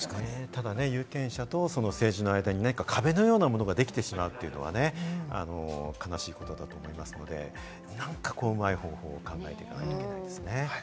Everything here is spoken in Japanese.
ただ有権者と政治の間に壁のようなものができてしまうというのはね、悲しいことだと思いますので、何かうまい方法を考えていかないといけないですね。